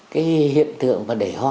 cái hiện tượng và đề hoa